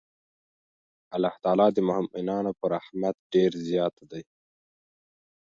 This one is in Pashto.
الله تعالی د مؤمنانو په رحمت ډېر زیات دی.